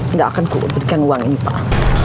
enggak akan aku berikan uang ini pak